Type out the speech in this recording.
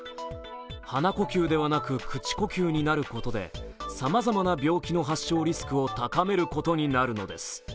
鼻呼吸ではなく口呼吸になることでさまざまな病気の発症リスクを高めることになるのです。